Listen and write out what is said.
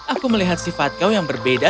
aku melihat sifat kau yang berbeda